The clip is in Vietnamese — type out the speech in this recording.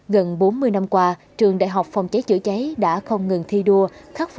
gần bốn mươi năm qua trường đại học phòng cháy chữa cháy đã không ngừng thi đua